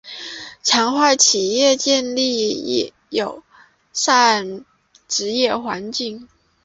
强化企业建立友善职场环境